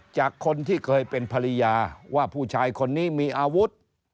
จากคนที่เคยเป็นภรรยาว่าผู้ชายคนนี้มีอาวุธ